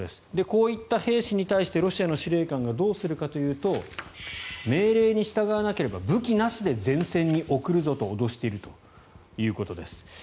こういった兵士に対してロシアの司令官がどうするかというと命令に従わなければ武器なしで前線に送るぞと脅しているということです。